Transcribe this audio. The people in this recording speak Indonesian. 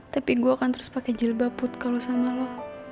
tapi gue akan terus pakai jilbaput kalau sama lo